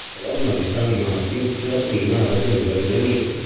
La colonna di San Martín fu la prima a raggiungere il nemico.